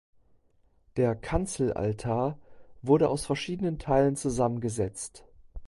Der Kanzelaltar wurde aus verschiedenen Teilen zusammengesetzt.